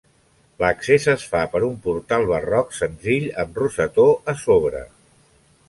L'accés es fa per un portal barroc senzill amb rosetó a sobre.